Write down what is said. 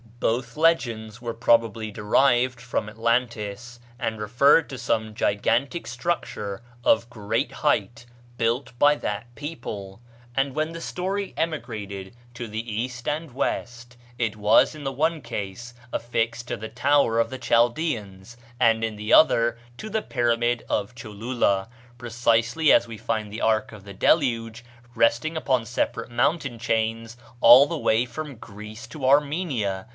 Both legends were probably derived from Atlantis, and referred to some gigantic structure of great height built by that people; and when the story emigrated to the east and west, it was in the one case affixed to the tower of the Chaldeans, and in the other to the pyramid of Cholula, precisely as we find the ark of the Deluge resting upon separate mountain chains all the way from Greece to Armenia.